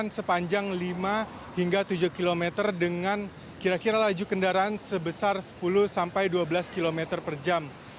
sepanjang lima hingga tujuh km dengan kira kira laju kendaraan sebesar sepuluh sampai dua belas km per jam